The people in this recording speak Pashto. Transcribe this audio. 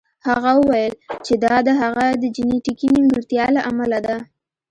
هغه وویل چې دا د هغه د جینیتیکي نیمګړتیا له امله ده